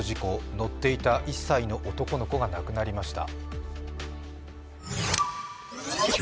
乗っていた１歳の男の子が亡くなりました。